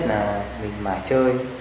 chúng ta phải nâng cấp cho